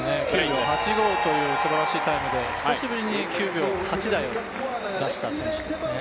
９秒８５というすばらしいタイムで久しぶりに９秒８台を出した選手ですね。